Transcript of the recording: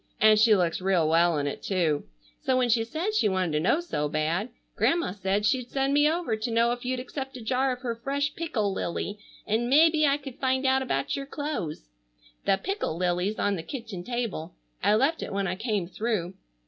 And she looks real well in it too. So when she said she wanted to know so bad, Grandma said she'd send me over to know if you'd accept a jar of her fresh pickle lily, and mebbe I could find out about your clothes. The pickle lily's on the kitchen table. I left it when I came through.